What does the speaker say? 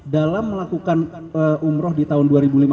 dalam melakukan umroh di tahun dua ribu lima belas